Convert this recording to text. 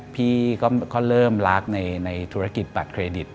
พี่ก็เริ่มรักในธุรกิจบัตรเครดิต